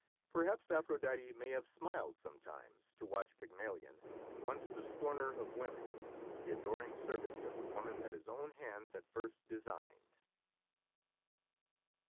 Perhaps Aphrodite may have smiled sometimes to watch Pygmalion, once the scorner of women, the adoring servant of the woman that his own hands had first designed.